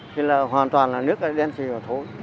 thì là hoàn toàn là nước đen xì vào thối